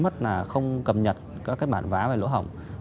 mất là không cầm nhật các bản vã về lỗ hỏng